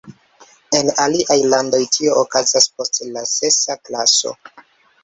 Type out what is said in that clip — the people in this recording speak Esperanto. En aliaj landoj tio okazas post la sesa klaso.